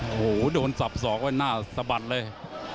โอ้โหโดนซับศอกว่าน่าเสบัดเลย